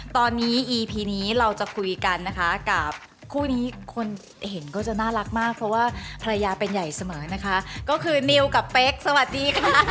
ตอนนี้อีพีนี้เราจะคุยกันนะคะกับคู่นี้คนเห็นก็จะน่ารักมากเพราะว่าภรรยาเป็นใหญ่เสมอนะคะก็คือนิวกับเป๊กสวัสดีค่ะ